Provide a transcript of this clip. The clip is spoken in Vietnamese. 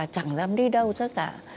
chẳng dám đi đâu chắc cả